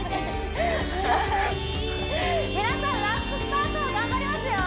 皆さんラストスパート頑張りますよ